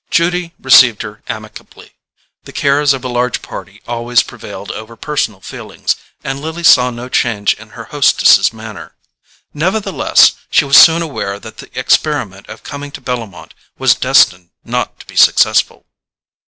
Judy received her amicably. The cares of a large party always prevailed over personal feelings, and Lily saw no change in her hostess's manner. Nevertheless, she was soon aware that the experiment of coming to Bellomont was destined not to be successful.